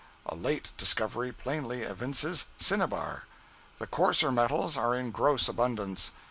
A late discovery plainly evinces cinnabar. The coarser metals are in gross abundance.